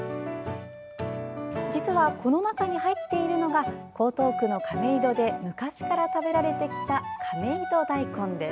実は、この中に入っているのが江東区の亀戸で昔から食べられてきた亀戸だいこんです。